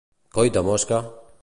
Coi de mosca!